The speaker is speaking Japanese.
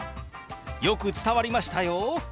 よく伝わりましたよ！